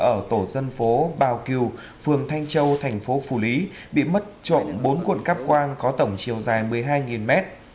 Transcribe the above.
công ty ở tổ dân phố bào cửu phường thanh châu tp phù lý bị mất trộn bốn cuộn cắp quang có tổng chiều dài một mươi hai m